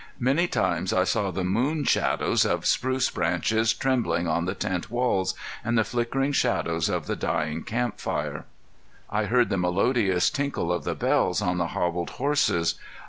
Many times I saw the moon shadows of spruce branches trembling on the tent walls, and the flickering shadows of the dying camp fire. I heard the melodious tinkle of the bells on the hobbled horses.